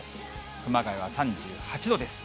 熊谷は３８度です。